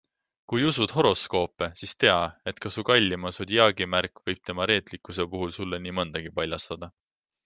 Kui usud horoskoope, siis tea, et ka su kallima sodiaagimärk võib tema reetlikkuse puhul sulle nii mõndagi paljastada.